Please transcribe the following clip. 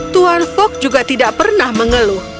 tuan fok juga tidak pernah mengeluh